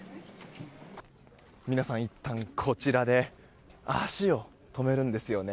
皆さんいったんこちらで足を止めるんですよね。